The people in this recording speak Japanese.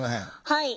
はい。